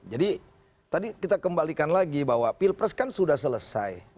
jadi tadi kita kembalikan lagi bahwa pilpres kan sudah selesai